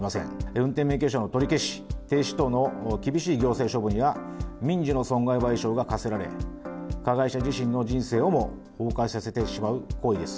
運転免許証の取り消し・停止等の厳しい行政処分や、民事の損害賠償が科せられ、加害者自身の人生をも崩壊させてしまう行為です。